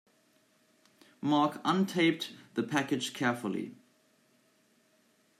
Mark untaped the package carefully.